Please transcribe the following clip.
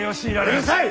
うるさい！